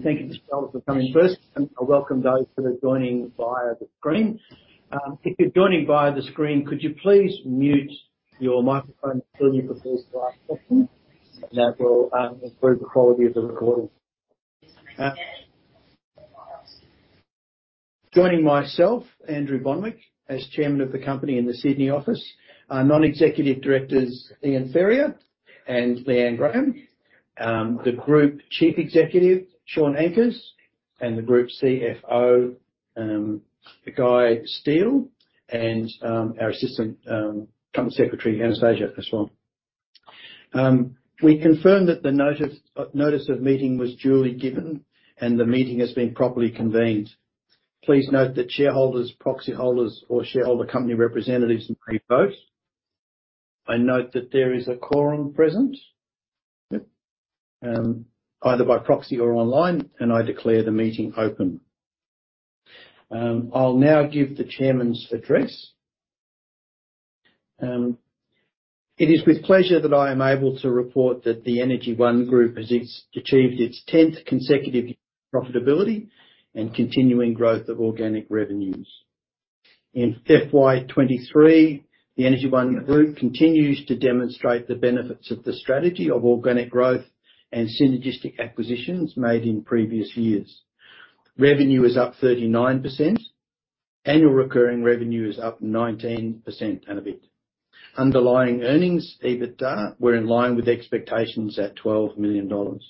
Thank you, Mr. Ellis, for coming first, and a welcome those who are joining via the screen. If you're joining via the screen, could you please mute your microphone until you've asked your last question? That will improve the quality of the recording. Joining myself, Andrew Bonwick, as Chairman of the company in the Sydney office, our non-executive directors, Ian Ferrier and Leanne Graham. The Group Chief Executive, Shaun Ankers, and the Group CFO, Guy Steel, and our Assistant Company Secretary, Anastasia, as well. We confirm that the notice of meeting was duly given, and the meeting has been properly convened. Please note that shareholders, proxy holders, or shareholder company representatives may vote. I note that there is a quorum present, yep, either by proxy or online, and I declare the meeting open. I'll now give the Chairman’s address. It is with pleasure that I am able to report that the Energy One Group has achieved its 10th consecutive profitability and continuing growth of organic revenues. In FY 2023, the Energy One Group continues to demonstrate the benefits of the strategy of organic growth and synergistic acquisitions made in previous years. Revenue is up 39%, annual recurring revenue is up 19% and a bit. Underlying earnings, EBITDA, were in line with expectations at 12 million dollars.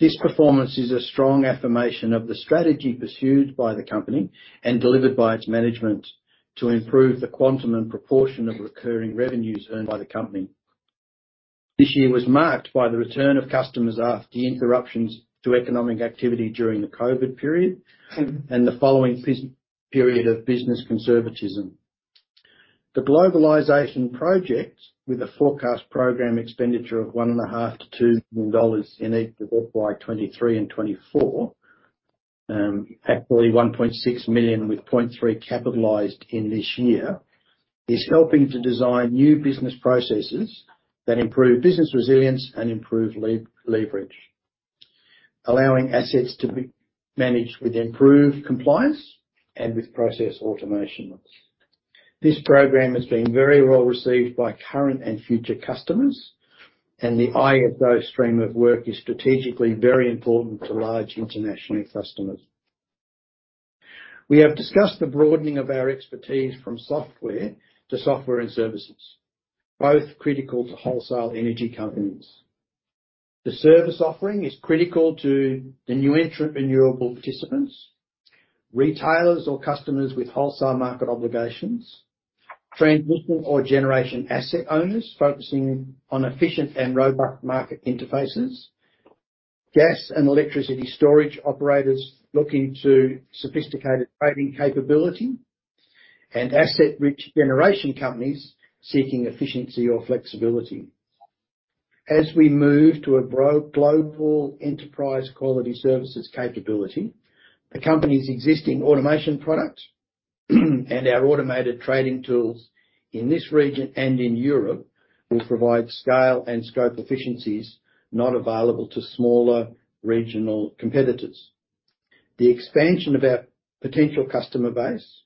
This performance is a strong affirmation of the strategy pursued by the company and delivered by its management to improve the quantum and proportion of recurring revenues earned by the company. This year was marked by the return of customers after the interruptions to economic activity during the COVID period, and the following period of business conservatism. The globalization project, with a forecast program expenditure of 1.5 million-2 million dollars in each of FY 2023 and 2024, actually 1.6 million, with 0.3 capitalized in this year, is helping to design new business processes that improve business resilience and improve leverage, allowing assets to be managed with improved compliance and with process automation. This program has been very well received by current and future customers, and the ISO stream of work is strategically very important to large international customers. We have discussed the broadening of our expertise from software to software and services, both critical to wholesale energy companies. The service offering is critical to the new entrepreneurial participants, retailers or customers with wholesale market obligations, transmission or generation asset owners focusing on efficient and robust market interfaces, gas and electricity storage operators looking to sophisticated trading capability, and asset-rich generation companies seeking efficiency or flexibility. As we move to a global enterprise quality services capability, the company's existing automation product, and our automated trading tools in this region and in Europe, will provide scale and scope efficiencies not available to smaller regional competitors. The expansion of our potential customer base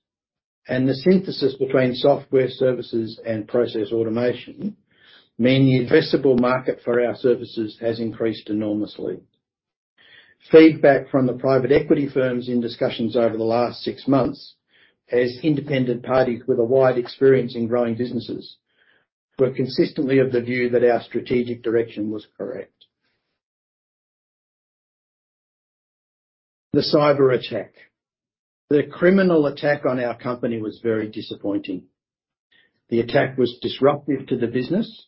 and the synthesis between software services and process automation, mean the addressable market for our services has increased enormously. Feedback from the private equity firms in discussions over the last six months, as independent parties with a wide experience in growing businesses, were consistently of the view that our strategic direction was correct. The cyberattack. The criminal attack on our company was very disappointing. The attack was disruptive to the business,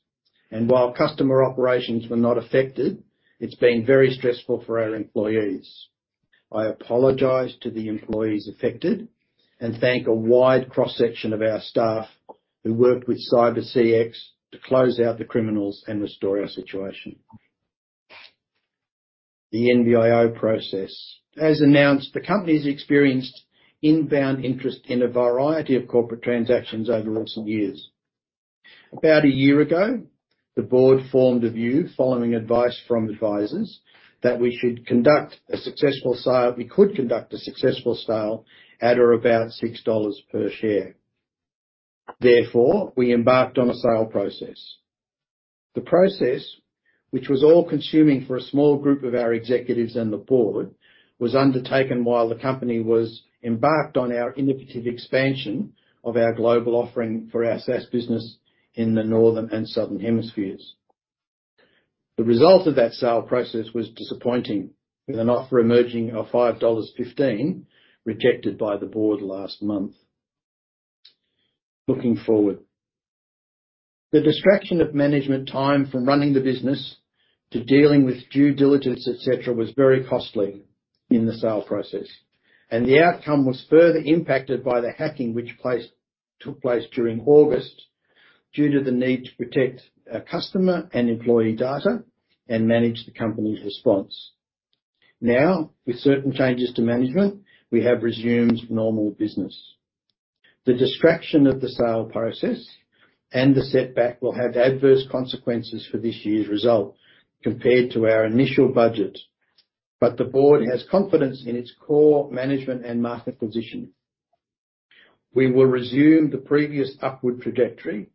and while customer operations were not affected, it's been very stressful for our employees. I apologize to the employees affected, and thank a wide cross-section of our staff who worked with CyberCX to close out the criminals and restore our situation. The NBIO process. As announced, the company's experienced inbound interest in a variety of corporate transactions over recent years. About a year ago, the board formed a view, following advice from advisors, that we should conduct a successful sale, we could conduct a successful sale at or about 6 dollars per share. Therefore, we embarked on a sale process. The process, which was all-consuming for a small group of our executives and the board, was undertaken while the company was embarked on our indicative expansion of our global offering for our SaaS business in the northern and southern hemispheres. The result of that sale process was disappointing, with an offer emerging of 5.15 dollars, rejected by the board last month. Looking forward. The distraction of management time from running the business to dealing with due diligence, et cetera, was very costly in the sale process, and the outcome was further impacted by the hacking, which took place during August, due to the need to protect our customer and employee data and manage the company's response. Now, with certain changes to management, we have resumed normal business. The distraction of the sale process and the setback will have adverse consequences for this year's result compared to our initial budget. But the board has confidence in its core management and market position. We will resume the previous upward trajectory,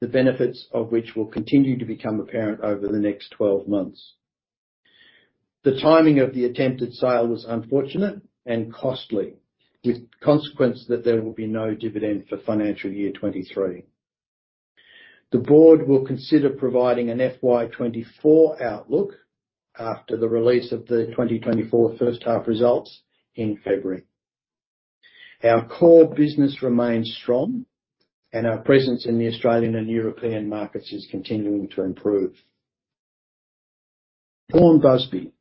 the benefits of which will continue to become apparent over the next 12 months. The timing of the attempted sale was unfortunate and costly, with consequence that there will be no dividend for financial year 2023. The board will consider providing an FY 2024 outlook after the release of the 2024 first half results in February. Our core business remains strong, and our presence in the Australian and European markets is continuing to improve. Vaughan Busby.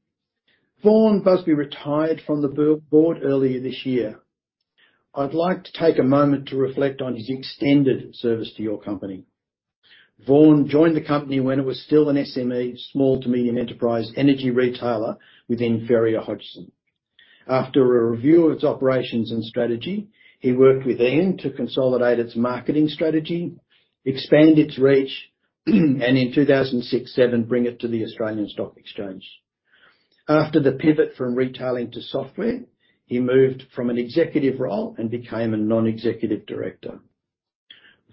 Vaughan Busby retired from the board earlier this year. I'd like to take a moment to reflect on his extended service to your company. Vaughan joined the company when it was still an SME, small to medium enterprise, energy retailer within Ferrier Hodgson. After a review of its operations and strategy, he worked with Ian to consolidate its marketing strategy, expand its reach, and in 2006/2007, bring it to the Australian Stock Exchange. After the pivot from retailing to software, he moved from an executive role and became a non-executive director.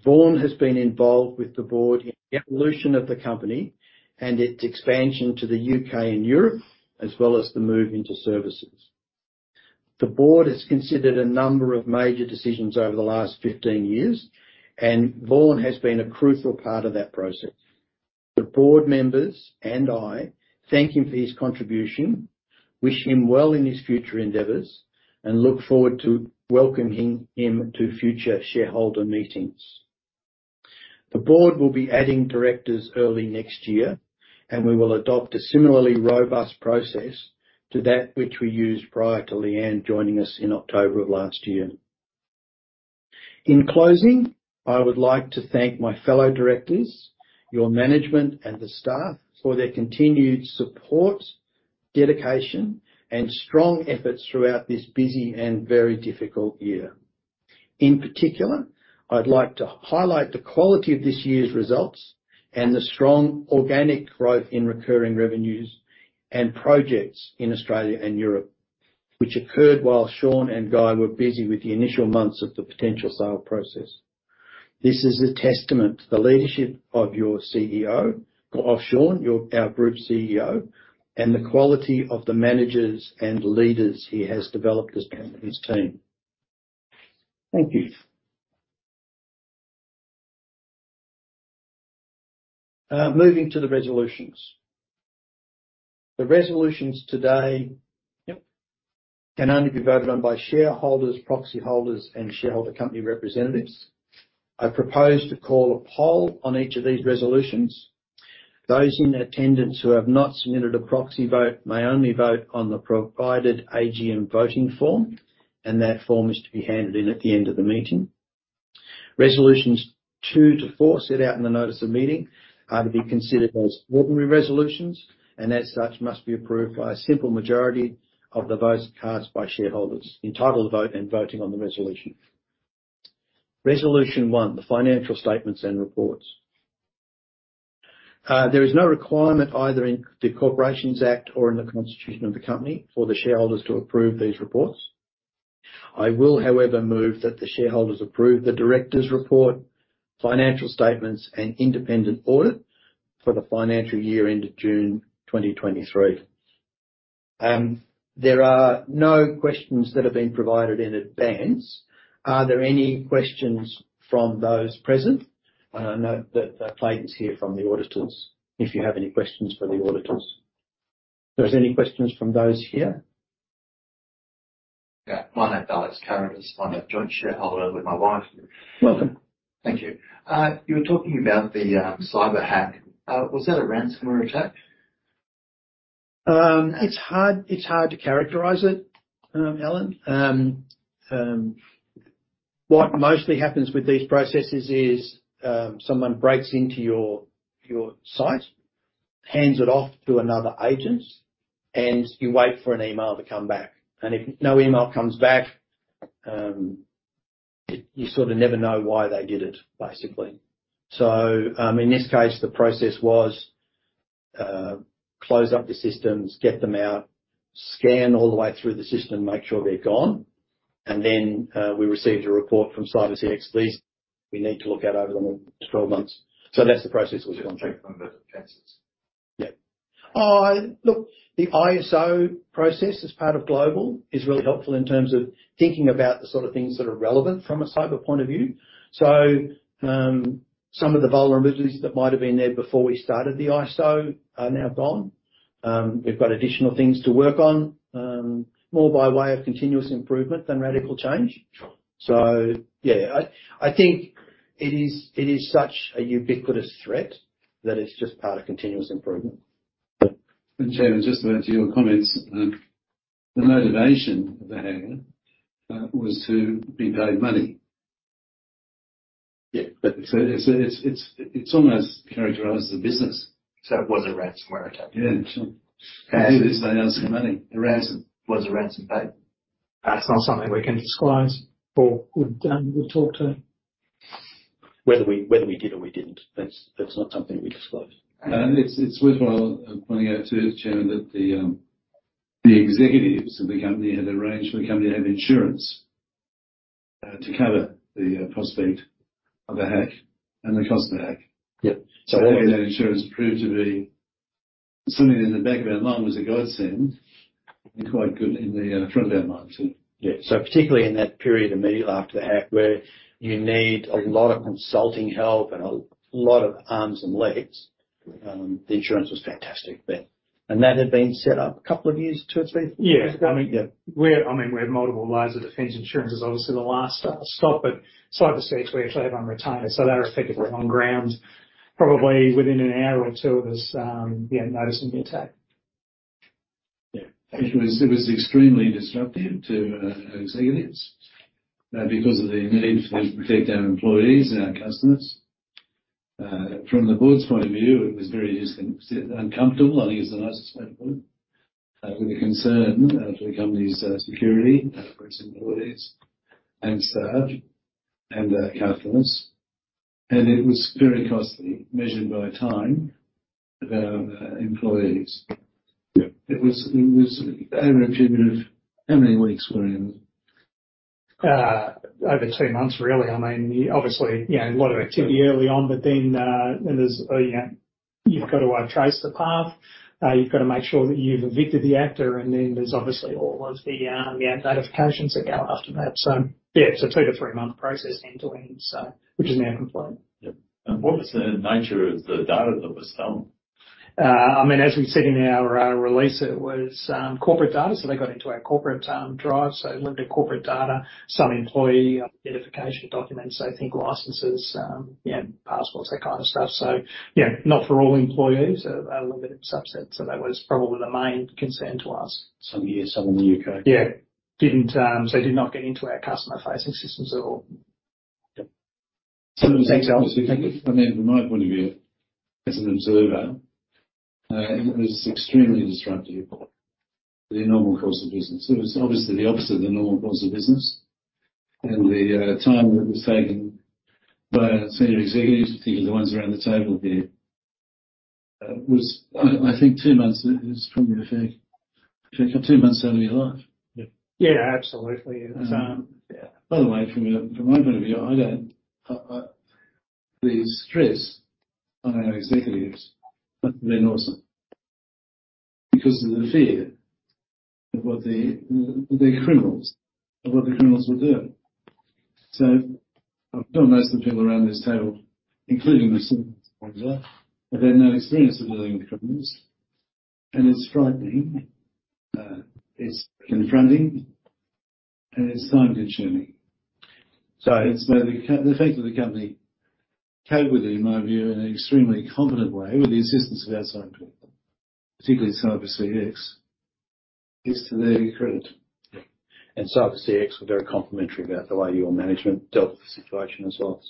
Vaughan has been involved with the board in the evolution of the company and its expansion to the U.K. and Europe, as well as the move into services. The board has considered a number of major decisions over the last 15 years, and Vaughan has been a crucial part of that process. The board members and I thank him for his contribution, wish him well in his future endeavors, and look forward to welcoming him to future shareholder meetings. The board will be adding directors early next year, and we will adopt a similarly robust process to that which we used prior to Leanne joining us in October of last year. In closing, I would like to thank my fellow directors, your management, and the staff for their continued support, dedication, and strong efforts throughout this busy and very difficult year. In particular, I'd like to highlight the quality of this year's results and the strong organic growth in recurring revenues and projects in Australia and Europe, which occurred while Shaun and Guy were busy with the initial months of the potential sale process. This is a testament to the leadership of your CEO, of Shaun, your, our Group CEO, and the quality of the managers and leaders he has developed as, as his team. Thank you. Moving to the resolutions. The resolutions today, yep, can only be voted on by shareholders, proxy holders, and shareholder company representatives. I propose to call a poll on each of these resolutions. Those in attendance who have not submitted a proxy vote may only vote on the provided AGM voting form, and that form is to be handed in at the end of the meeting. Resolutions 2 to 4, set out in the notice of meeting, are to be considered as ordinary resolutions, and as such, must be approved by a simple majority of the votes cast by shareholders entitled to vote and voting on the resolution. Resolution 1: the financial statements and reports. There is no requirement either in the Corporations Act or in the constitution of the company for the shareholders to approve these reports. I will, however, move that the shareholders approve the directors' report, financial statements, and independent audit for the financial year ended June 2023. There are no questions that have been provided in advance. Are there any questions from those present? And I know that Clayton's here from the auditors, if you have any questions for the auditors. If there's any questions from those here? Yeah. My name is Alex Carruthers. I'm a joint shareholder with my wife. Welcome. Thank you. You were talking about the cyber hack. Was that a ransomware attack? It's hard, it's hard to characterize it, Alex. What mostly happens with these processes is, someone breaks into your, your site, hands it off to another agent, and you wait for an email to come back. And if no email comes back, it, you sort of never know why they did it, basically. So, in this case, the process was, close up the systems, get them out, scan all the way through the system, make sure they're gone, and then, we received a report from CyberCX, at least we need to look at over the next 12 months. So that's the process we've gone through. From those cases? Yeah. Look, the ISO process as part of global is really helpful in terms of thinking about the sort of things that are relevant from a cyber point of view. So, some of the vulnerabilities that might have been there before we started the ISO are now gone. We've got additional things to work on, more by way of continuous improvement than radical change. Sure. So yeah, I think it is such a ubiquitous threat that it's just part of continuous improvement. Chairman, just to add to your comments, the motivation of the hacker was to be paid money. Yeah, but it's almost characterized as a business. So it was a ransomware attack? Yeah, sure. At the end of the day, they asking for money. A ransom. Was a ransom paid? That's not something we can disclose, but we'll talk to. Whether we did or we didn't, that's not something we disclose. It's worthwhile pointing out to Chairman that the executives of the company had arranged for the company to have insurance to cover the prospect of a hack and the cost of the hack. Yep. So that insurance proved to be something in the back of our mind was a godsend, and quite good in the front of our minds. Yeah. So particularly in that period, immediately after the hack, where you need a lot of consulting help and a lot of arms and legs, the insurance was fantastic then. And that had been set up a couple of years to its date? Yeah. Yeah. I mean, we have multiple layers of defense. Insurance is obviously the last stop, but CyberCX, we actually have on retainer, so they're effectively on ground. Probably within an hour or two of us noticing the attack. Yeah. It was extremely disruptive to our executives because of the need to protect our employees and our customers. From the board's point of view, it was very just uncomfortable, I think is the nicest way to put it. With the concern for the company's security for its employees and staff and our customers. And it was very costly, measured by time of our employees. Yep. It was, it was over a period of, how many weeks were in it? Over two months, really. I mean, obviously, yeah, a lot of activity early on, but then, and there's, you know, you've got to trace the path. You've got to make sure that you've evicted the actor, and then there's obviously all of the, yeah, notifications that go after that. So yeah, it's a two to three-month process end to end, so, which is now complete. Yep. And what was the nature of the data that was stolen? I mean, as we said in our release, it was corporate data, so they got into our corporate drive. So limited corporate data, some employee identification documents, I think licenses, yeah, passports, that kind of stuff. So, yeah, not for all employees, a limited subset. So that was probably the main concern to us. Some here, some in the U.K. Yeah. So did not get into our customer-facing systems at all. Yep. So it was excellent. I mean, from my point of view, as an observer, it was extremely disruptive to the normal course of business. It was obviously the opposite of the normal course of business, and the time that was taken by our senior executives, particularly the ones around the table here, was, I think two months is probably a fair. Take two months out of your life. Yep. Yeah, absolutely. It's, yeah. By the way, from your, from my point of view, I don't, the stress on our executives have been awesome because of the fear of what the, the criminals, of what the criminals will do. So I've known most of the people around this table, including myself, have had no experience of dealing with criminals, and it's frightening, it's confronting, and it's time-consuming. So it's maybe the fact that the company cope with it, in my view, in an extremely competent way, with the assistance of our cycling, particularly CyberCX, is to their credit. CyberCX were very complimentary about the way your management dealt with the situation as well.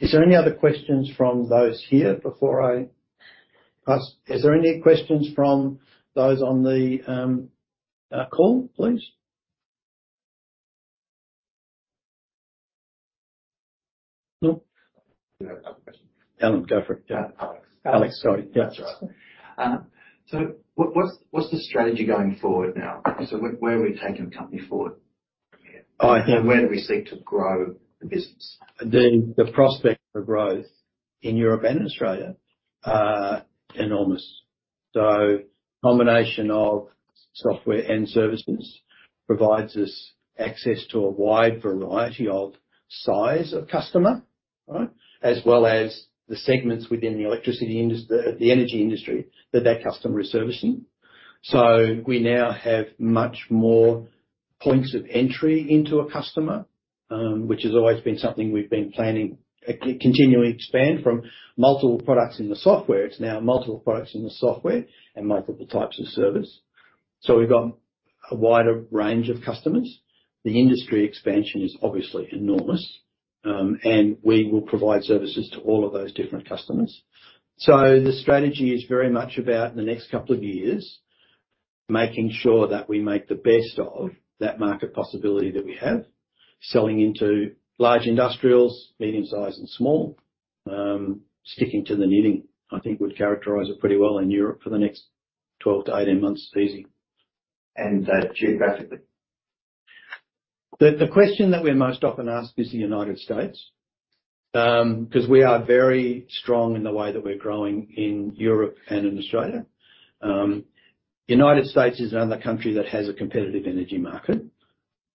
Is there any other questions from those here before I ask? Is there any questions from those on the call, please? No. We have a question. Alan, go for it. Alex. Alex, sorry. Yeah, that's right. So what, what's the strategy going forward now? So where are we taking the company forward? Where do we seek to grow the business? The prospect for growth in Europe and Australia are enormous. So combination of software and services provides us access to a wide variety of size of customer, right, as well as the segments within the electricity industry—the energy industry that that customer is servicing. So we now have much more points of entry into a customer, which has always been something we've been planning, continually expand. From multiple products in the software, it's now multiple products in the software and multiple types of service. So we've got a wider range of customers. The industry expansion is obviously enormous, and we will provide services to all of those different customers. So the strategy is very much about the next couple of years, making sure that we make the best of that market possibility that we have. Selling into large industrials, medium-sized, and small. Sticking to the knitting, I think would characterize it pretty well in Europe for the next 12-18 months easy. Geographically? The question that we're most often asked is the United States, because we are very strong in the way that we're growing in Europe and in Australia. United States is another country that has a competitive energy market.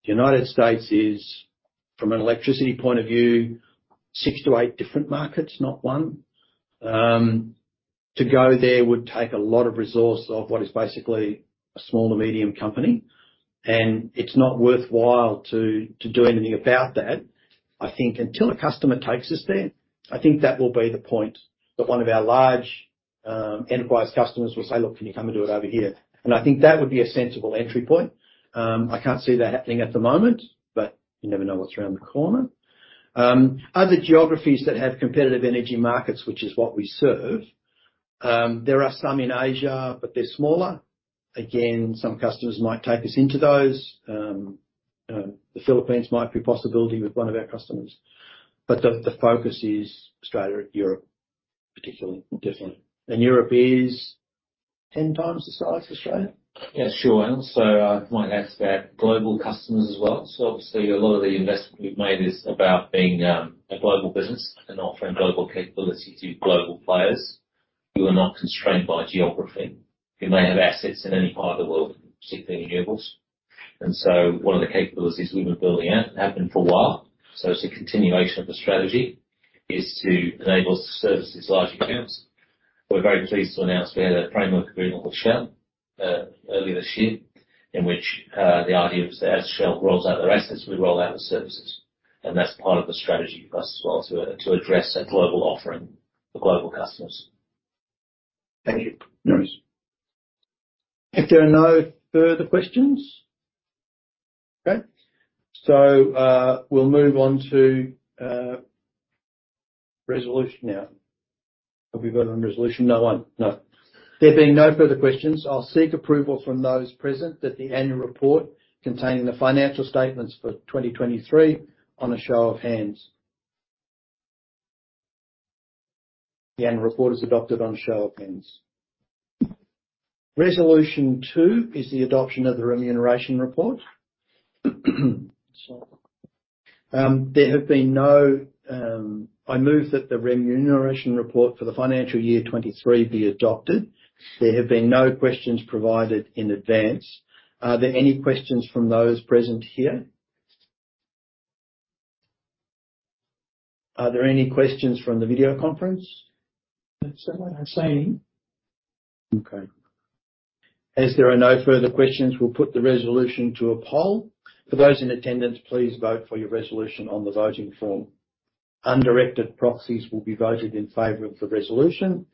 United States is, from an electricity point of view, six to eight different markets, not one. To go there would take a lot of resource of what is basically a small to medium company, and it's not worthwhile to do anything about that. I think until a customer takes us there, I think that will be the point that one of our large enterprise customers will say: "Look, can you come and do it over here?" And I think that would be a sensible entry point. I can't see that happening at the moment, but you never know what's around the corner. Other geographies that have competitive energy markets, which is what we serve, there are some in Asia, but they're smaller. Again, some customers might take us into those. The Philippines might be a possibility with one of our customers, but the focus is Australia, Europe, particularly. Definitely. Europe is 10x the size of Australia. Yeah, sure. And also, I might ask about global customers as well. So obviously, a lot of the investment we've made is about being a global business and offering global capability to global players who are not constrained by geography, who may have assets in any part of the world, particularly renewables. And so one of the capabilities we've been building out, have been for a while, so it's a continuation of the strategy, is to enable us to service these large accounts. We're very pleased to announce we had a framework agreement with Shell earlier this year, in which the idea was that as Shell rolls out their assets, we roll out the services. And that's part of the strategy for us as well, to address a global offering for global customers. Thank you. No worries. If there are no further questions. Okay. So, we'll move on to resolution now. Have we got a resolution? No one. No. There being no further questions, I'll seek approval from those present that the annual report containing the financial statements for 2023 on a show of hands. The annual report is adopted on a show of hands. Resolution 2 is the adoption of the remuneration report. There have been no... I move that the remuneration report for the financial year 2023 be adopted. There have been no questions provided in advance. Are there any questions from those present here? Are there any questions from the video conference? I don't see any. Okay. As there are no further questions, we'll put the resolution to a poll. For those in attendance, please vote for your resolution on the voting form. Undirected proxies will be voted in favor of the resolution,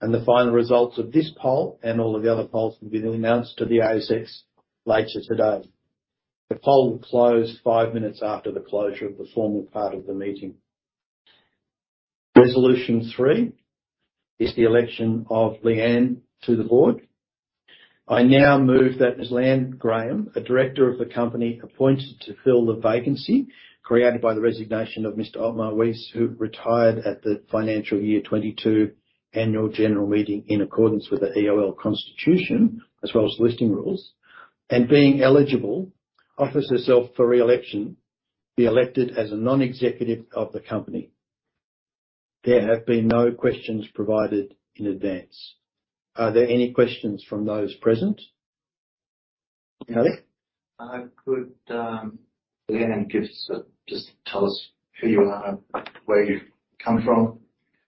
and the final results of this poll and all of the other polls will be announced to the ASX later today. The poll will close fiveminutes after the closure of the formal part of the meeting. Resolution 3 is the election of Leanne to the board. I now move that Ms. Leanne Graham, a director of the company, appointed to fill the vacancy created by the resignation of Mr. Ottmar Weiss, who retired at the Financial Year 2022 Annual General Meeting in accordance with the EOL Constitution, as well as listing rules, and being eligible, offers herself for re-election, be elected as a non-executive of the company. There have been no questions provided in advance. Are there any questions from those present? Alex? Could Leanne give us a... Just tell us who you are, where you've come from,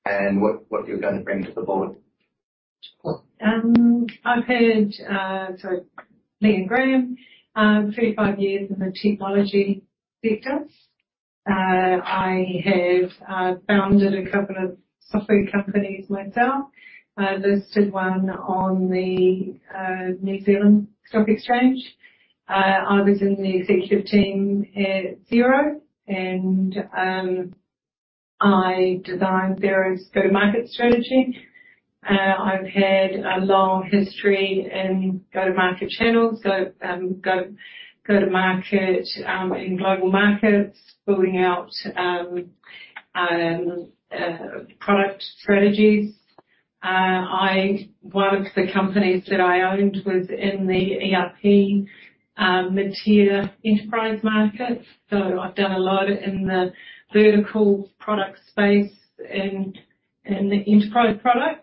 and what, what you're going to bring to the board. I've had so Leanne Graham 35 years in the technology sector. I have founded a couple of software companies myself. Listed one on the New Zealand Stock Exchange. I was in the executive team at Xero, and I designed Xero's go-to-market strategy. I've had a long history in go-to-market channels, go-to-market in global markets, building out product strategies. One of the companies that I owned was in the ERP mid-tier enterprise market. So I've done a lot in the vertical product space and in the enterprise products,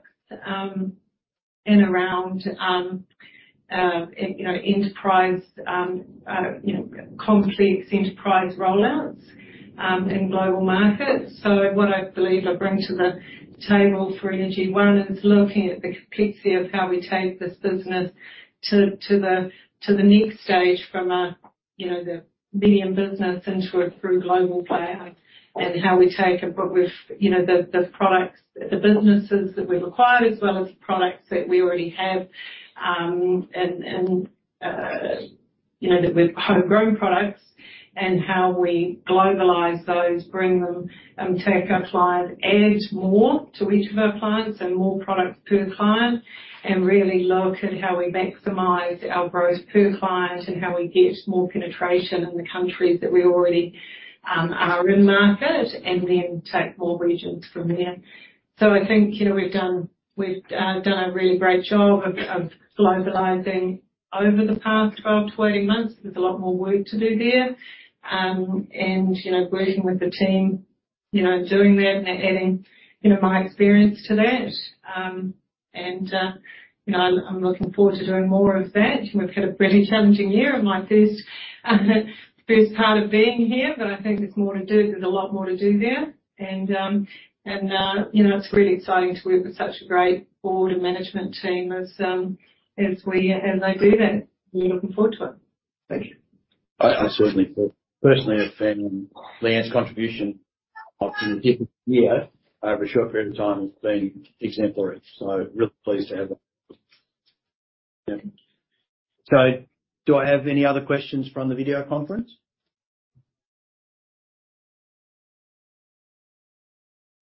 and around you know enterprise, you know, ncomplex enterprise rollouts in global markets. So what I believe I bring to the table for Energy One is looking at the complexity of how we take this business to the next stage from a, you know, the medium business into a true global player. And how we take what we've, you know, the products, the businesses that we've acquired, as well as the products that we already have, and you know, that we've homegrown products, and how we globalize those, bring them, take our clients, add more to each of our clients, so more products per client. And really look at how we maximize our growth per client, and how we get more penetration in the countries that we already are in market, and then take more regions from there. So I think, you know, we've done, we've done a really great job of globalizing over the past 12-18 months. There's a lot more work to do there. And, you know, working with the team, you know, doing that and adding, you know, my experience to that. And, you know, I'm looking forward to doing more of that. We've had a pretty challenging year in my first part of being here, but I think there's more to do. There's a lot more to do there, and, you know, it's really exciting to work with such a great board and management team as they do that. I'm looking forward to it. Thank you. I certainly thought, personally, I've been, Leanne's contribution of in a different year, over a short period of time, has been exemplary. So really pleased to have her. Yeah. So do I have any other questions from the video conference?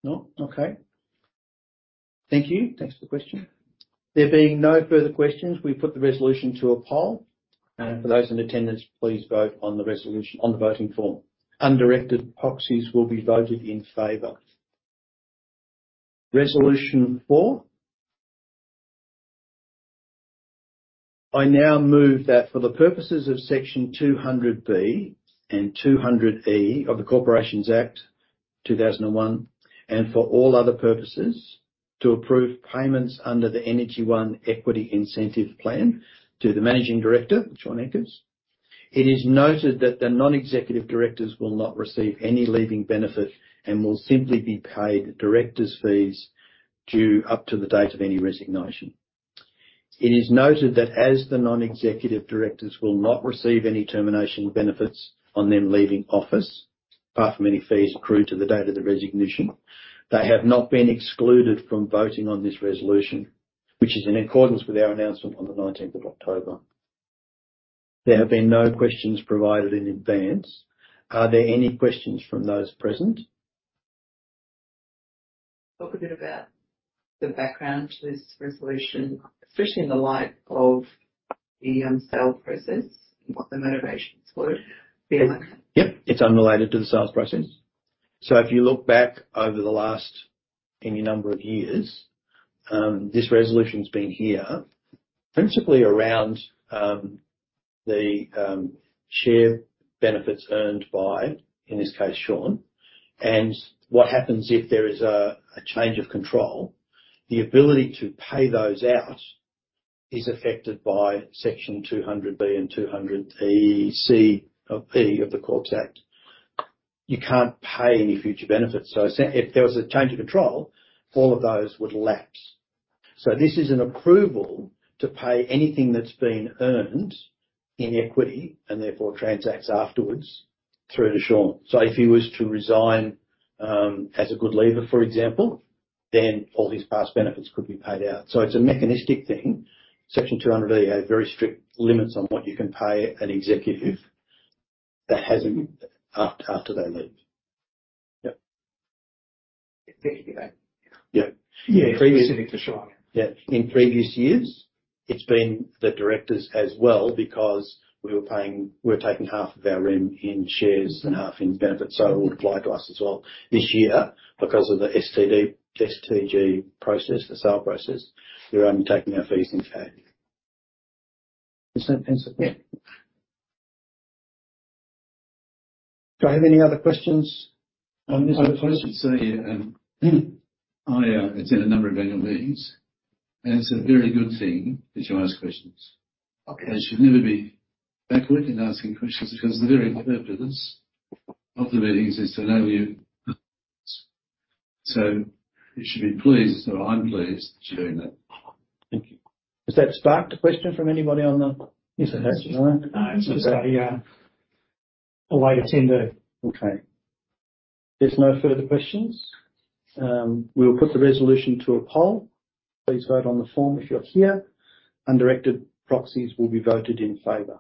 No. Okay. Thank you. Thanks for the question. There being no further questions, we put the resolution to a poll. For those in attendance, please vote on the resolution on the voting form. Undirected proxies will be voted in favor. Resolution 4: I now move that for the purposes of Section 200B and 200E of the Corporations Act 2001, and for all other purposes, to approve payments under the Energy One Equity Incentive Plan to the Managing Director, Shaun Ankers. It is noted that the non-executive directors will not receive any leaving benefit and will simply be paid directors' fees due up to the date of any resignation. It is noted that as the non-executive directors will not receive any termination benefits on them leaving office, apart from any fees accrued to the date of the resignation, they have not been excluded from voting on this resolution, which is in accordance with our announcement on the 19th of October. There have been no questions provided in advance. Are there any questions from those present? Talk a bit about the background to this resolution, especially in the light of the sale process and what the motivations were behind that? Yep, it's unrelated to the sales process. So if you look back over the last any number of years, this resolution's been here principally around the share benefits earned by, in this case, Shaun. And what happens if there is a change of control? The ability to pay those out is affected by Section 200B and 200E of the Corporations Act. You can't pay any future benefits. So if there was a change of control, all of those would lapse. So this is an approval to pay anything that's been earned in equity, and therefore transacts afterwards, through to Shaun. So if he was to resign, as a good leaver, for example, then all his past benefits could be paid out. So it's a mechanistic thing. Section 200E has very strict limits on what you can pay an executive that hasn't... after they leave. Yep. Thank you for that. Yeah. Yeah, specific to Shaun? Yeah. In previous years, it's been the directors as well, because we were paying—we're taking half of our RIM in shares and half in benefits, so it would apply to us as well. This year, because of the STG process, the sale process, we're only taking our fees in cash. Does that answer? Yeah. Do I have any other questions? I should say, I attended a number of annual meetings, and it's a very good thing that you ask questions. Okay. You should never be backward in asking questions, because the very purpose of the meetings is to know you. So you should be pleased, or I'm pleased to hear that. Thank you. Does that spark a question from anybody on the? Yes, that's just a way to tend to. Okay. There's no further questions. We will put the resolution to a poll. Please vote on the form if you're here. Undirected proxies will be voted in favor.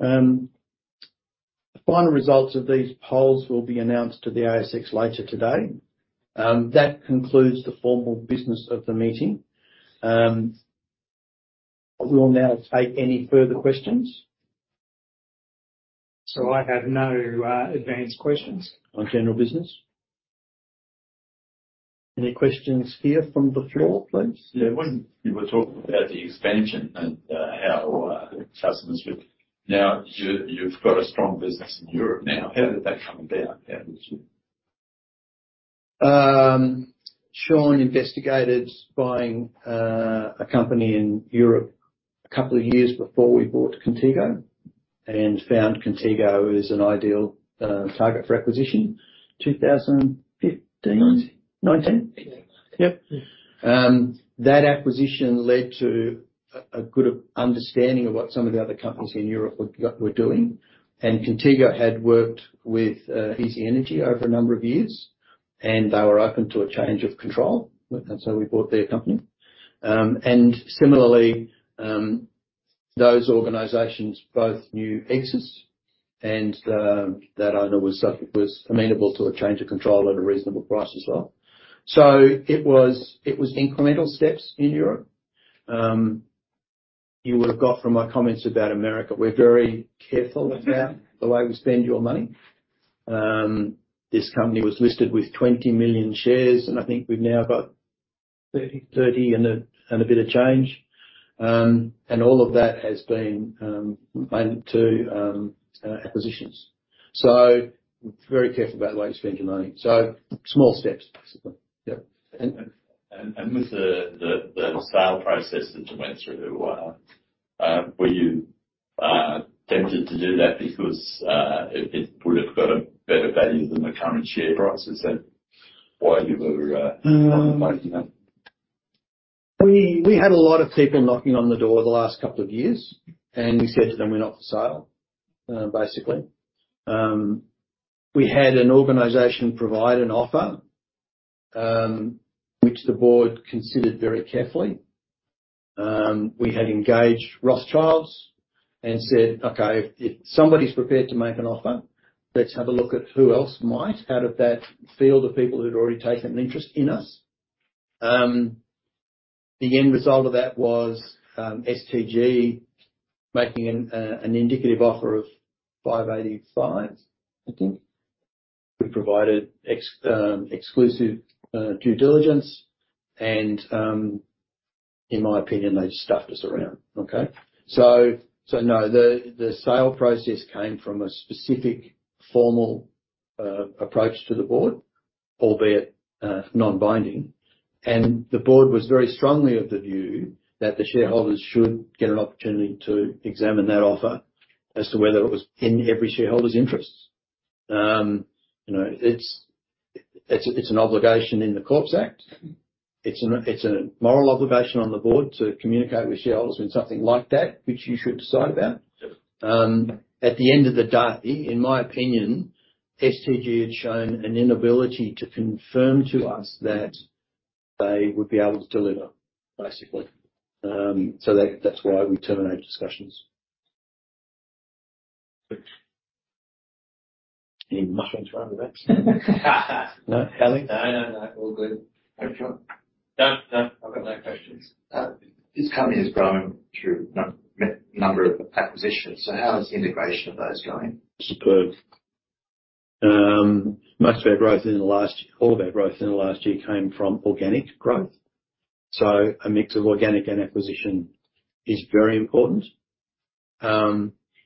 The final results of these polls will be announced to the ASX later today. That concludes the formal business of the meeting. We will now take any further questions. I have no advanced questions. On general business. Any questions here from the floor, please? Yeah. When you were talking about the expansion and how customers with... Now, you, you've got a strong business in Europe now. How did that come about? How did you? Shaun investigated buying a company in Europe a couple of years before we bought Contigo, and found Contigo as an ideal target for acquisition. 2015? 2019. 2019? Yeah. Yep. That acquisition led to a good understanding of what some of the other companies in Europe were doing. Contigo had worked with eZ-nergy over a number of years, and they were open to a change of control, and so we bought their company. And similarly, those organizations both knew EGSSIS, and that owner was amenable to a change of control at a reasonable price as well. So it was incremental steps in Europe. You would have got from my comments about America, we're very careful about the way we spend your money. This company was listed with 20 million shares, and I think we've now got? 30 million. 30 million and a bit of change. And all of that has been made to acquisitions. So very careful about the way we spend your money. So small steps, basically. Yep. With the sale process that you went through, were you tempted to do that because it would have got a better value than the current share price? Is that why you were making that? We had a lot of people knocking on the door the last couple of years, and we said to them, "We're not for sale," basically. We had an organization provide an offer, which the board considered very carefully. We had engaged Rothschild and said, "Okay, if somebody's prepared to make an offer, let's have a look at who else might out of that field of people who'd already taken an interest in us." The end result of that was, STG making an indicative offer of 585, I think. We provided exclusive due diligence, and, in my opinion, they just stuffed us around. Okay? So no, the sale process came from a specific formal approach to the board, albeit non-binding. The board was very strongly of the view that the shareholders should get an opportunity to examine that offer as to whether it was in every shareholder's interests. You know, it's, it's, it's an obligation in the Corporations Act. It's an, it's a moral obligation on the board to communicate with shareholders when something like that, which you should decide about. At the end of the day, in my opinion, STG had shown an inability to confirm to us that they would be able to deliver, basically. So that, that's why we terminated discussions. Any more questions around that? No, Ally? No, no, no. All good. No, no, I've got no questions. This company has grown through number of acquisitions, so how is integration of those going? Superb. Most of our growth in the last... All of our growth in the last year came from organic growth. So a mix of organic and acquisition is very important.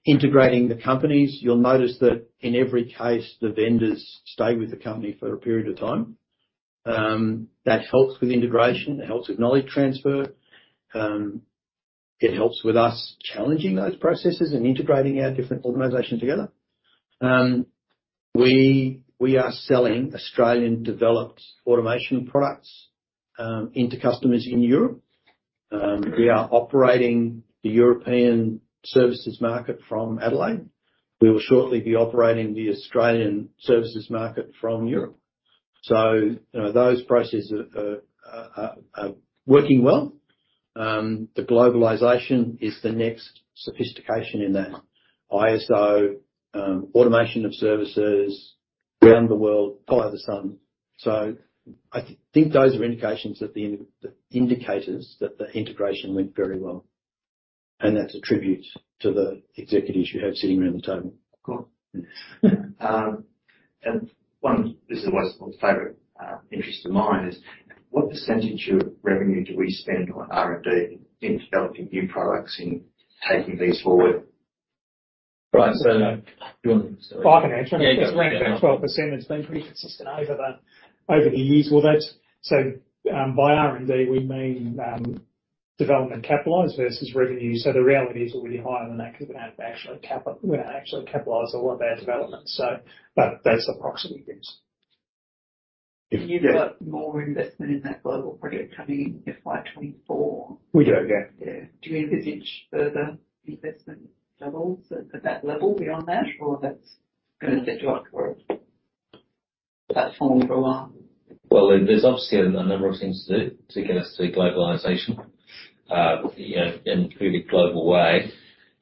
Integrating the companies, you'll notice that in every case, the vendors stay with the company for a period of time. That helps with integration, it helps with knowledge transfer, it helps with us challenging those processes and integrating our different organizations together. We are selling Australian-developed automation products into customers in Europe. We are operating the European services market from Adelaide. We will shortly be operating the Australian services market from Europe. So you know, those processes are working well. The globalization is the next sophistication in that. ISO, automation of services around the world, follow the sun. So I think those are indications that the indicators that the integration went very well, and that's a tribute to the executives you have sitting around the table. Of course. And one, this is my favorite interest of mine is: what percentage of revenue do we spend on R&D in developing new products, in taking these forward? Right. So do you want to? I can answer. Yeah. It's around 12%. It's been pretty consistent over the years. Well, that's so, by R&D, we mean development capitalized versus revenue. So the reality is already higher than that because we don't actually capitalize a lot of our development. So, but that's approximately, yes. Yeah. You've got more investment in that global project coming in FY 2024. We do, yeah. Yeah. Do you envisage further investment levels at, at that level beyond that, or that's going to set you up for a platform for a while? Well, there's obviously a number of things to do to get us to globalization in a really global way.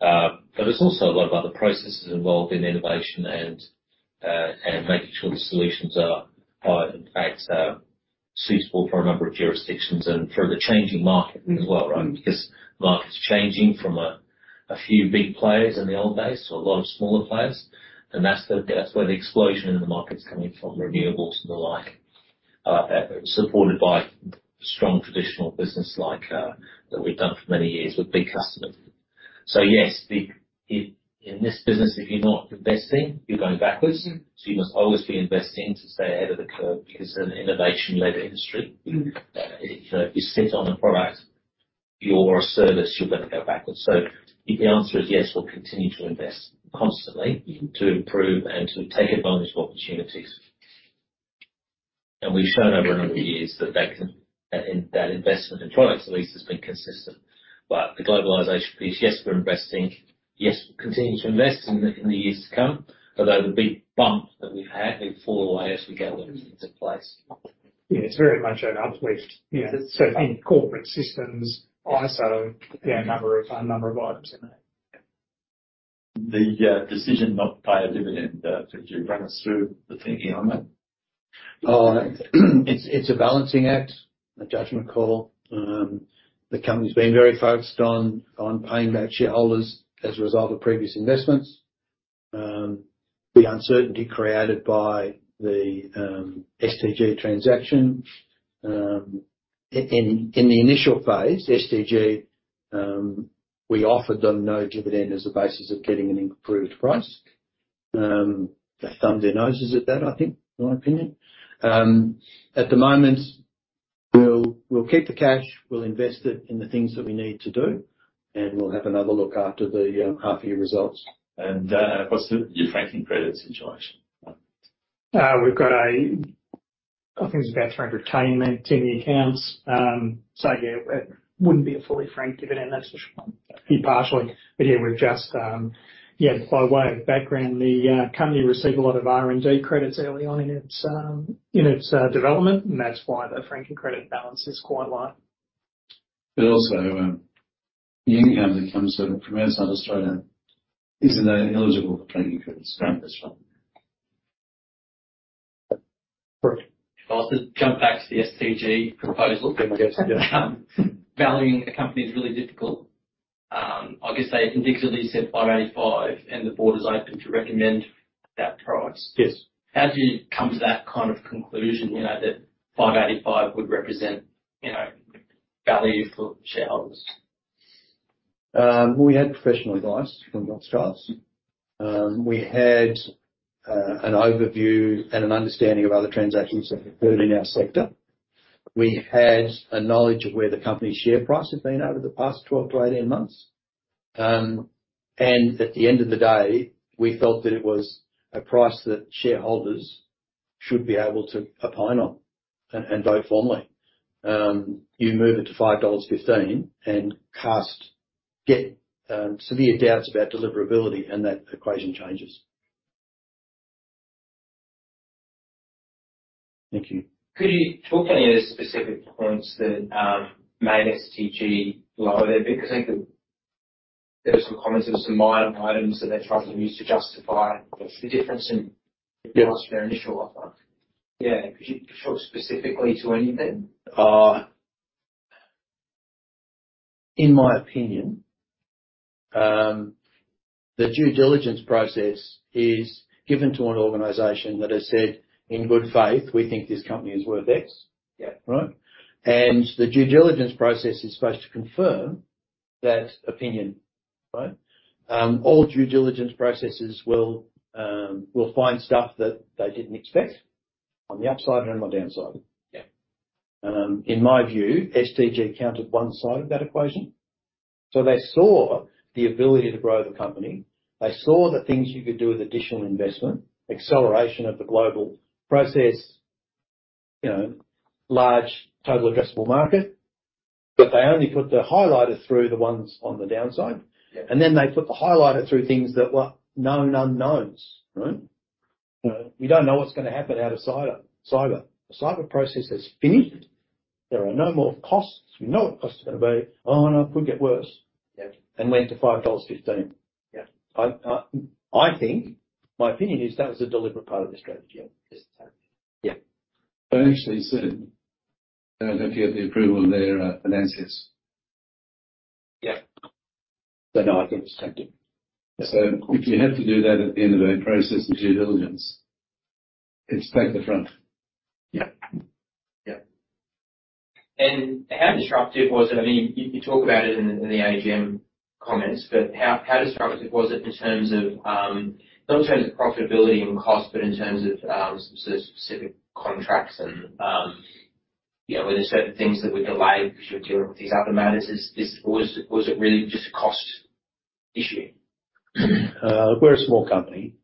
But there's also a lot of other processes involved in innovation and making sure the solutions are in fact suitable for a number of jurisdictions and for the changing market as well, right? Because the market is changing from a few big players in the old days to a lot of smaller players. And that's where the explosion in the market is coming from, renewables and the like, supported by strong traditional business like that we've done for many years with big customers. So yes, in this business, if you're not investing, you're going backwards. Mm. You must always be investing to stay ahead of the curve, because it's an innovation-led industry. Mm. You know, if you sit on a product or a service, you're going to go backwards. So the answer is yes, we'll continue to invest constantly to improve and to take advantage of opportunities. We've shown over a number of years that investment in products at least has been consistent. But the globalization piece, yes, we're investing. Yes, we'll continue to invest in the years to come. Although the big bump that we've had will fall away as we go into place. Yeah, it's very much an uplift. Yeah. In corporate systems, ISO, there are a number of items in there. The decision not to pay a dividend, could you run us through the thinking on that? It's a balancing act, a judgment call. The company's been very focused on paying back shareholders as a result of previous investments. The uncertainty created by the STG transaction. In the initial phase, STG, we offered them no dividend as the basis of getting an improved price. They thumbed their noses at that, I think, in my opinion. At the moment, we'll keep the cash, we'll invest it in the things that we need to do, and we'll have another look after the half year results. What's the franking credit situation? I think we've got about 310k in accounts. So yeah, it wouldn't be a fully franked dividend. That would just be partially. But yeah, we've just... Yeah, by way of background, the company received a lot of R&D credits early on in its development, and that's why the franking credit balance is quite low. But also, the income that comes from South Australia, isn't that eligible for franking credits? That's right. I'll just jump back to the STG proposal. Yes. Valuing a company is really difficult. I guess they indicatively said 5.85, and the board is open to recommend that price. Yes. How do you come to that kind of conclusion, you know, that 5.85 would represent, you know, value for shareholders? We had professional advice from Rothschild. We had an overview and an understanding of other transactions that occurred in our sector. We had a knowledge of where the company's share price had been over the past 12-18 months. And at the end of the day, we felt that it was a price that shareholders should be able to opine on and, and vote formally. You move it to 5.15 dollars and cast, get severe doubts about deliverability, and that equation changes. Thank you. Could you talk any of the specific points that made STG lower? Because I think there were some comments, there were some minor items that they tried to use to justify the difference in their initial offer. Yeah. Could you talk specifically to anything? In my opinion, the due diligence process is given to an organization that has said, in good faith, "We think this company is worth X. Yeah. Right? And the due diligence process is supposed to confirm that opinion, right? All due diligence processes will find stuff that they didn't expect on the upside and on the downside. Yeah. In my view, STG counted one side of that equation. So they saw the ability to grow the company. They saw the things you could do with additional investment, acceleration of the global process, you know, large total addressable market. But they only put the highlighter through the ones on the downside. Yeah. And then they put the highlighter through things that were known unknowns, right? You know, you don't know what's gonna happen out of cyber. A cyber process that's finished, there are no more costs. We know what the costs are going to be. Oh, no, it could get worse. Yeah. Went to 5.15 dollars. Yeah. I think, my opinion is that was a deliberate part of the strategy. Yeah. They actually said, they don't have to get the approval of their financiers. Yeah. But I think it was taken. If you had to do that at the end of a process of due diligence, it's back to front. Yeah. Yeah. How disruptive was it? I mean, you talk about it in the AGM comments, but how disruptive was it in terms of, not in terms of profitability and cost, but in terms of so specific contracts and, you know, were there certain things that were delayed because you were dealing with these other matters? Was it really just a cost issue? We're a small company,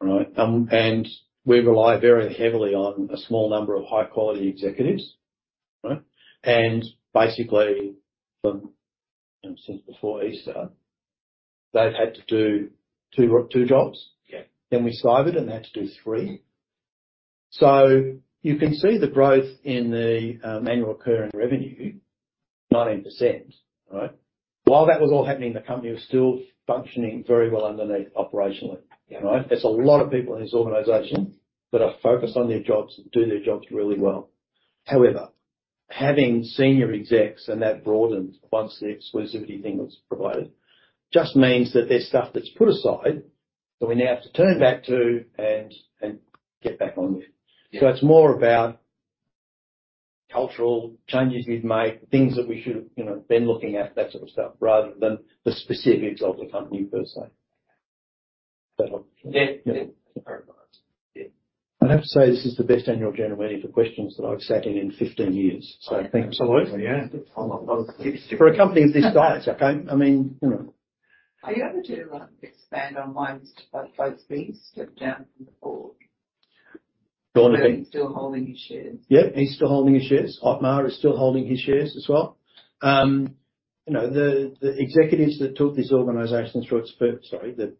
right? And we rely very heavily on a small number of high-quality executives, right? And basically, since before Easter, they've had to do two jobs. Yeah. Then we cybered it, and they had to do three. So you can see the growth in the annual recurring revenue, 19%, right? While that was all happening, the company was still functioning very well underneath operationally. Yeah. Right? There's a lot of people in this organization that are focused on their jobs and do their jobs really well. However, having senior execs and that broadened once the exclusivity thing was provided, just means that there's stuff that's put aside that we now have to turn back to and, and get back on with. Yeah. It's more about cultural changes we've made, things that we should have, you know, been looking at, that sort of stuff, rather than the specifics of the company per se. Yeah. Yeah. Yeah. I have to say, this is the best annual general meeting for questions that I've sat in in 15 years, so thank you. Absolutely, yeah. For a company of this size, okay, I mean, you know. Are you able to expand on why Mr. Vaughan Busby's being stepped down from the board? Vaughan B. He's still holding his shares. Yep, he's still holding his shares. Ottmar is still holding his shares as well. You know, the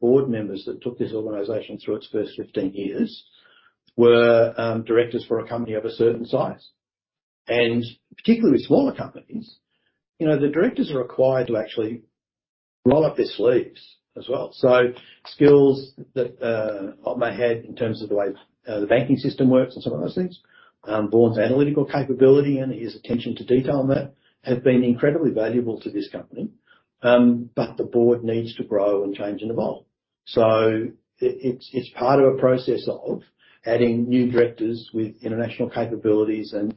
board members that took this organization through its first 15 years were directors for a company of a certain size, and particularly smaller companies, you know, the directors are required to actually roll up their sleeves as well. So skills that Ottmar had in terms of the way the banking system works and some of those things, Vaughan's analytical capability and his attention to detail on that have been incredibly valuable to this company. But the board needs to grow and change and evolve. So it's part of a process of adding new directors with international capabilities and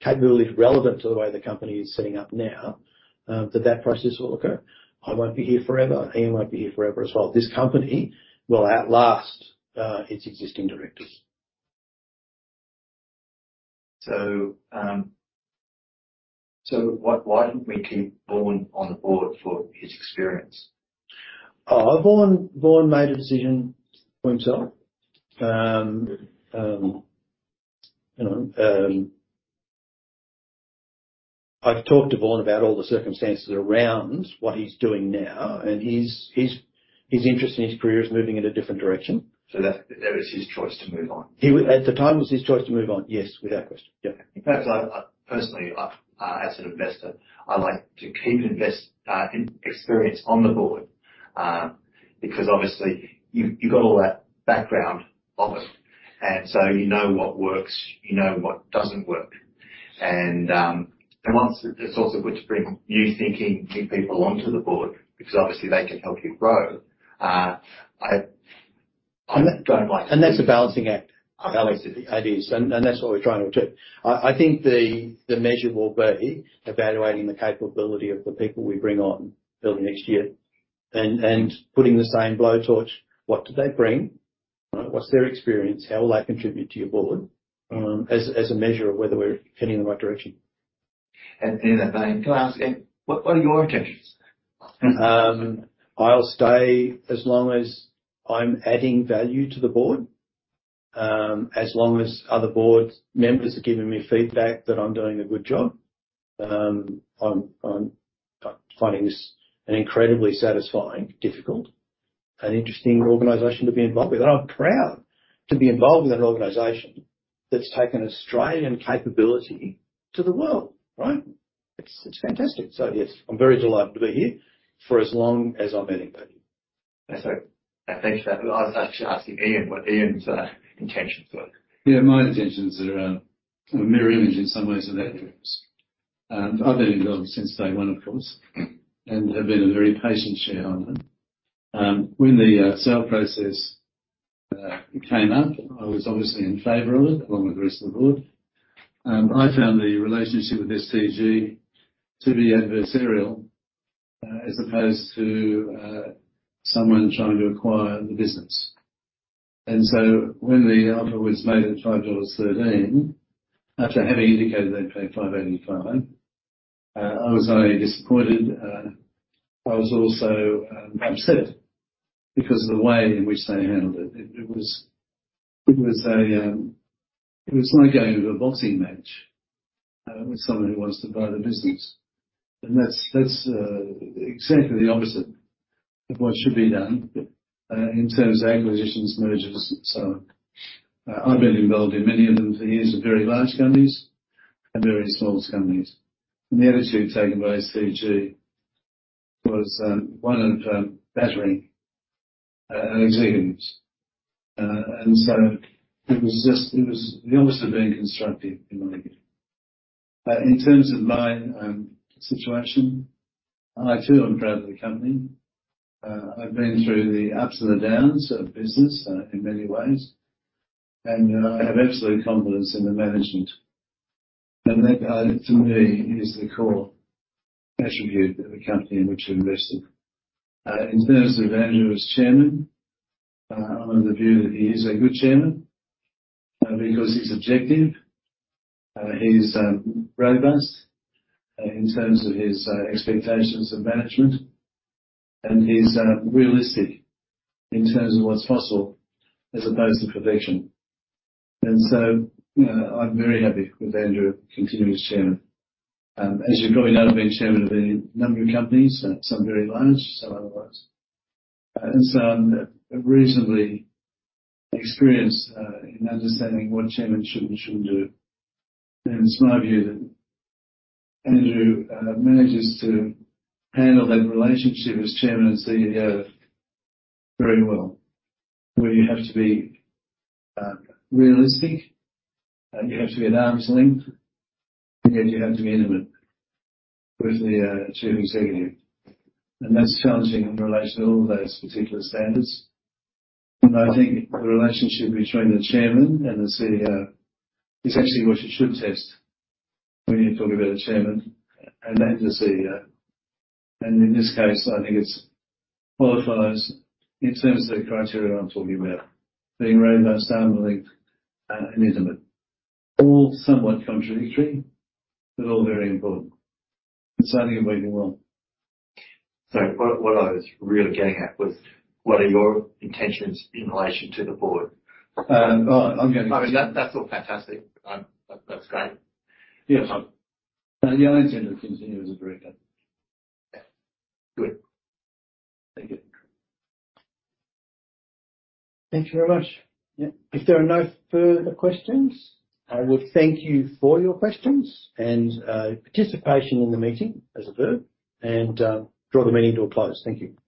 capabilities relevant to the way the company is setting up now, that process will occur. I won't be here forever. Ian won't be here forever as well. This company will outlast its existing directors.... So, why didn't we keep Vaughan on the board for his experience? Vaughan, Vaughan made a decision for himself. You know, I've talked to Vaughan about all the circumstances around what he's doing now, and his, his, his interest in his career is moving in a different direction. So that was his choice to move on? At the time, it was his choice to move on. Yes, without question. Yeah. Personally, I, as an investor, I like to keep investment experience on the board, because obviously you got all that background of it, and so you know what works, you know what doesn't work. And, it's also good to bring new thinking, new people onto the board, because obviously they can help you grow. I don't like. That's a balancing act. It is, and that's what we're trying to achieve. I think the measure will be evaluating the capability of the people we bring on early next year and putting the same blowtorch. What do they bring? What's their experience? How will they contribute to your board? As a measure of whether we're heading in the right direction. Can I ask, what are your intentions? I'll stay as long as I'm adding value to the board. As long as other board members are giving me feedback that I'm doing a good job. I'm finding this an incredibly satisfying, difficult, and interesting organization to be involved with, and I'm proud to be involved with an organization that's taken Australian capability to the world, right? It's fantastic. So yes, I'm very delighted to be here for as long as I'm adding value. That's right. Thanks for that. I was actually asking Ian what Ian's intentions were. Yeah, my intentions are, a mirror image in some ways of Andrew's. I've been involved since day one, of course, and have been a very patient shareholder. When the sale process came up, I was obviously in favor of it, along with the rest of the board. I found the relationship with STG to be adversarial, as opposed to someone trying to acquire the business. And so when the offer was made at 5.13 dollars, after having indicated they'd pay 5.85, I was only disappointed. I was also upset because of the way in which they handled it. It was, it was like going to a boxing match with someone who wants to buy the business. And that's exactly the opposite of what should be done in terms of acquisitions, mergers, and so on. I've been involved in many of them through the years, with very large companies and very small companies, and the attitude taken by STG was one of battering executives. And so it was just it was the opposite of being constructive, in my view. But in terms of my situation, I too am proud of the company. I've been through the ups and the downs of business in many ways, and I have absolute confidence in the management. And that to me is the core attribute of a company in which you're invested. In terms of Andrew as Chairman, I'm of the view that he is a good Chairman, because he's objective, he's robust in terms of his expectations of management, and he's realistic in terms of what's possible as opposed to perfection. And so, I'm very happy with Andrew continuing as Chairman. As you probably know, I've been Chairman of a number of companies, some very large, some otherwise. And so I'm reasonably experienced in understanding what Chairman should and shouldn't do. And it's my view that Andrew manages to handle that relationship as Chairman and CEO very well, where you have to be realistic, and you have to be at arm's length, and yet you have to be intimate with the Chief Executive. And that's challenging in relation to all of those particular standards. I think the relationship between the Chairman and the CEO is actually what you should test when you're talking about a Chairman and then the CEO. In this case, I think it qualifies in terms of the criteria I'm talking about. Being robust, arm's length, and intimate. All somewhat contradictory, but all very important, and so I think he's doing well. So, what I was really getting at was, what are your intentions in relation to the board? Oh, I'm gonna- I mean, that, that's all fantastic. That, that's great. Yeah. So yeah, I intend to continue as a director. Yeah. Good. Thank you. Thanks very much. Yeah. If there are no further questions, I would thank you for your questions and, participation in the meeting, as a verb, and draw the meeting to a close. Thank you.